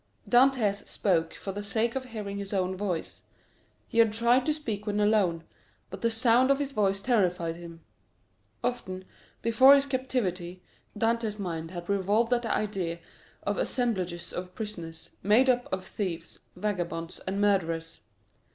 Dantès spoke for the sake of hearing his own voice; he had tried to speak when alone, but the sound of his voice terrified him. Often, before his captivity, Dantès' mind had revolted at the idea of assemblages of prisoners, made up of thieves, vagabonds, and murderers.